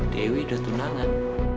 dewi udah tunangan